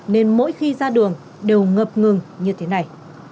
nên mỗi khi ra đường đều ngập ngừng như thế này